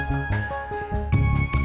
tidak di hiv cinnamon